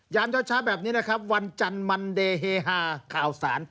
เช้าแบบนี้นะครับวันจันทร์มันเดเฮฮาข่าวสาร